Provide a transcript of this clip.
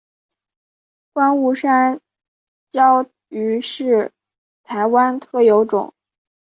观雾山椒鱼是台湾特有种。